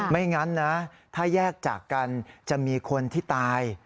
ไม่งั้นนะถ้าแยกจากกันจะมีคนที่ตาย